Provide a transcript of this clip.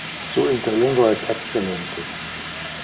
Su Interlingua es excellente.